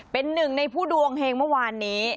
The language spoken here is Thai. เป็นหนึ่งในผู้ดวงเฮงเมื่อวานนี้